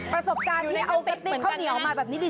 ประสบการณ์ที่เอากระติ๊บเข้าเหนียวออกมาแบบนี้ดี